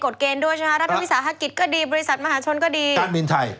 เกณฑ์ด้วยใช่ไหมคะรัฐวิสาหกิจก็ดีบริษัทมหาชนก็ดีการบินไทย